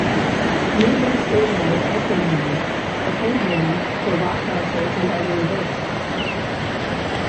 Midway Stadium was also used, occasionally, for rock concerts and other events.